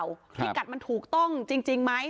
พิกัดมันถูกต้องจริงไหม